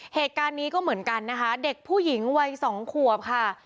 เหตุการณ์นี้ก็เหมือนกันนะคะเด็กผู้หญิงวัยสองขวบค่ะ